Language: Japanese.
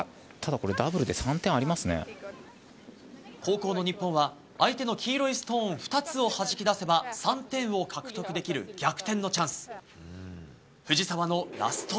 ただこれ、ダブルで３点あり後攻の日本は、相手の黄色いストーン２つをはじき出せば、３点を獲得できる逆転のチャンス。